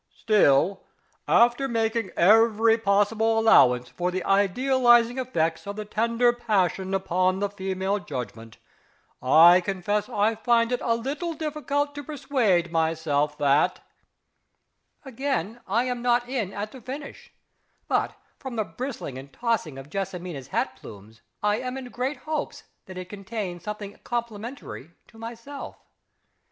"Still, after making every possible allowance for the idealising effects of the tender passion upon the female judgment, I confess I find it a little difficult to persuade myself that " (Again I am not in at the finish but, from the bristling and tossing of JESSIMINA'S hat plumes, I am in great hopes that it contained something complimentary to myself.)